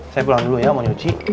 saya pulang dulu ya mau nyuci